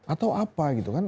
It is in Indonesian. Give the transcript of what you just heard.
atau apa gitu kan